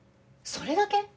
それだけ？